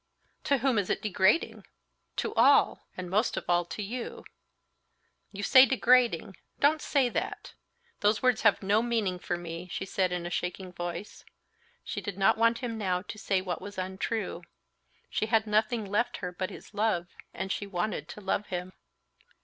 "To whom is it degrading?" "To all, and most of all to you." "You say degrading ... don't say that. Those words have no meaning for me," she said in a shaking voice. She did not want him now to say what was untrue. She had nothing left her but his love, and she wanted to love him.